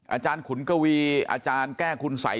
อาจารย์ขุนกวีอาจารย์แก้คุณสัย